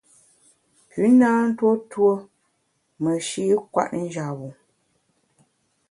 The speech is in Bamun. Pü na ntuo tuo meshi’ kwet njap-bu.